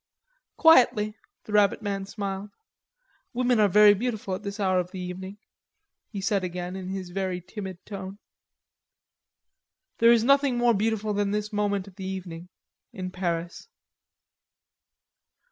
"Quietly," the rabbit man smiled. "Women are very beautiful at this hour of the evening," he said again in his very timid tone. "There is nothing more beautiful than this moment of the evening... in Paris."